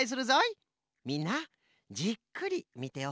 みんなじっくりみておくれ。